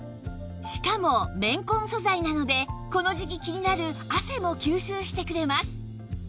しかも綿混素材なのでこの時期気になる汗も吸収してくれます